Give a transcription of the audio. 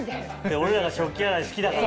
俺らが食器洗い好きだから。